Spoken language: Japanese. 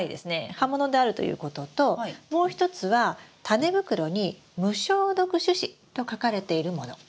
葉物であるということともう一つはタネ袋に「無消毒種子」と書かれているもの。